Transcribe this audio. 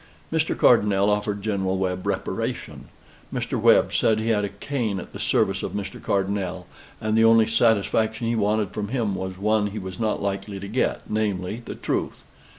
Mr. Cardonnel offered General Webb reparation; Mr. Webb said he had a cane at the service of Mr. Cardonnel, and the only satisfaction he wanted from him was one he was not likely to get, namely, the truth.